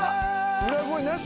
裏声なし？